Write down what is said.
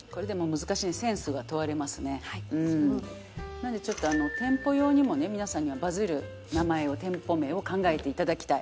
なのでちょっと店舗用にもね皆さんにはバズる名前を店舗名を考えていただきたい。